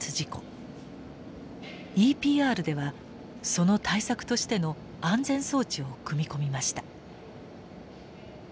ＥＰＲではその対策としての安全装置を組み込みました。